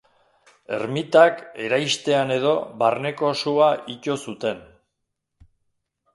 Ermitak, eraistean edo, barneko sua ito zuten.